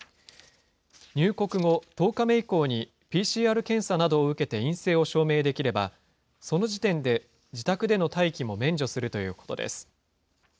入国後１０日目以降にＰＣＲ検査などを受けて陰性を証明できれば、その時点で自宅での待機を免除するということです。